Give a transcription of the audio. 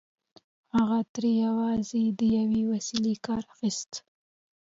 هغه ترې يوازې د يوې وسيلې کار اخيست.